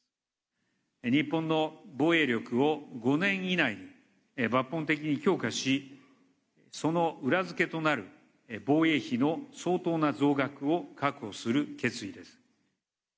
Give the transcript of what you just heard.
日本の防衛力を５年以内に抜本的に強化し、その裏付けとなる防衛費の相当な増額を確保する決意です。